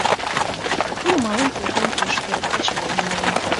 Тудо мален колтен ыш керт, кечывалым мален.